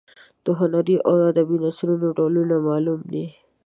د هنري او ادبي نثرونو ډولونه معلوم دي.